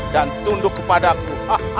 dan tunduk kepadaku